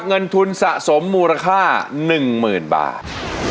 เงินทุนสะสมมูลค่า๑๐๐๐บาท